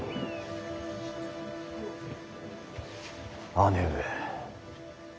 姉上。